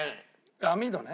網戸ね。